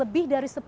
ketiga punya mpp